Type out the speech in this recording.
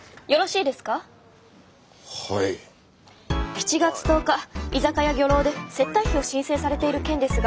７月１０日居酒屋魚楼で接待費を申請されている件ですが。